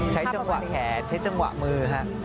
ใช้จังหวะแขนใช้จังหวะมือฮะ